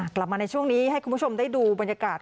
กลับมาในช่วงนี้ให้คุณผู้ชมได้ดูบรรยากาศ